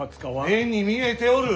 目に見えておる！